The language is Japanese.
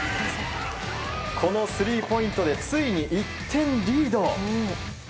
この３ポイントでついに１点リード。